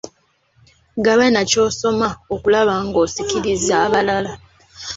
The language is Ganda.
Gabana ky'osoma okulaba nga osikiriza abalala.